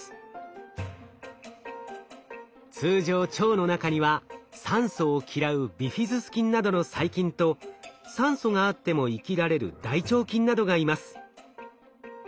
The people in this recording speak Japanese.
通常腸の中には酸素を嫌うビフィズス菌などの細菌と酸素があっても生きられる大腸菌などがいます。